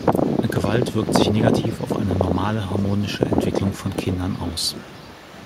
Gewalt wirkt sich negativ auf eine normale, harmonische Entwicklung von Kindern aus.